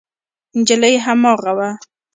نجلۍ هماغه وه.